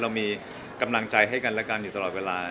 เรามีกำลังใจให้กันและกันอยู่ตลอดเวลา